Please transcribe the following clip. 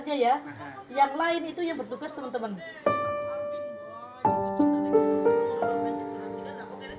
aja ya yang lain itu yang bertugas teman teman